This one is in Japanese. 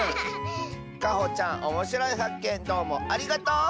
かほちゃんおもしろいはっけんどうもありがとう！